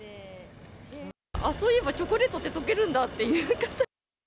そういえば、チョコレートって溶けるんだっていう。